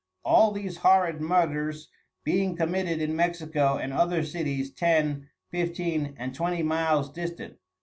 All these horrid Muders being commited in Mexico and other Cities ten, fifteen and twenty miles distant.